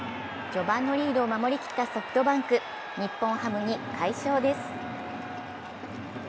序盤のリードを守り切ったソフトバンク、日本ハムに快勝です。